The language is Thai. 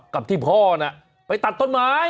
กับที่พ่อน่ะไปตัดต้นไม้